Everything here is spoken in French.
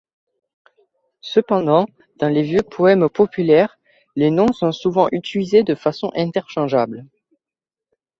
Cependant, dans les vieux poèmes populaires, les noms sont souvent utilisés de façon interchangeable.